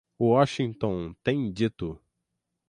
Washington tem dito